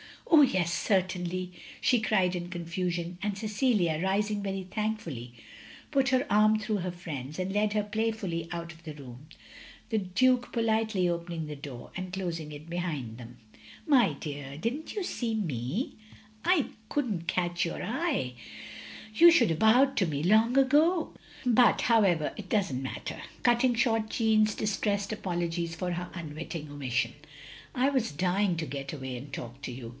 "Oh yes, certainly," she cried in conftision; and Cecilia, rising very thankfully, put her arm through her friend's, and led her playfully out of the room; the Duke politely opening the door, and closing it behind them. "My dear! Did n't you see me? I couldn't 224 THE LONELY LADY catch your eye. You should have bowed to me long ago. But, however, it doesn't matter —'' cutting short Jeanne's distressed apologies for her unwitting omission. "I was dying to get away and talk to you.